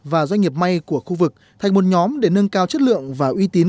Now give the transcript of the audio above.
và doanh nghiệp may của khu vực thành một nhóm để nâng cao chất lượng và uy tín